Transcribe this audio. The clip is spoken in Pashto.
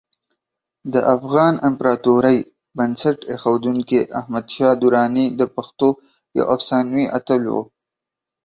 د افغان امپراتورۍ بنسټ ایښودونکی احمدشاه درانی د پښتنو یو افسانوي اتل و.